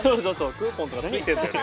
クーポンとかね付いてんだよね